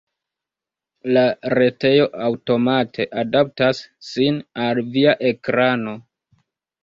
La retejo aŭtomate adaptas sin al via ekrano.